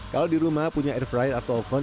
kalau di rumah punya air fryer atau oven